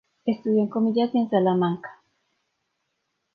Estudió en Comillas y en Salamanca.